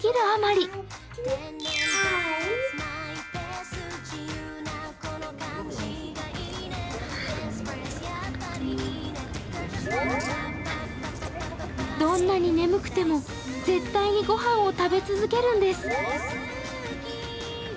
あまりどんなに眠くても絶対に御飯を食べ続けるんです。